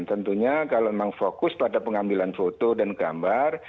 tentunya kalau memang fokus pada pengambilan foto dan gambar